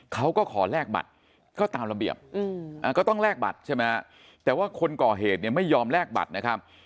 เขาก็ขอแลกบัตรก็ตามระเบียบก็ต้องแลกบัตรใช่ไหมแต่ว่าคนก่อเหตุเนี่ยไม่ยอมแลกบัตรนะครับ